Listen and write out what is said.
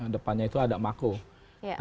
depannya itu ada makob